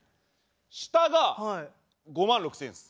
下が５万６，０００円です。